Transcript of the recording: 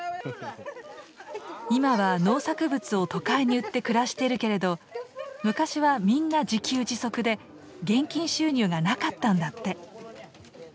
今は農作物を都会に売って暮らしてるけれど昔はみんな自給自足で現金収入がなかったんだって。